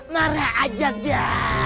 marah aja dia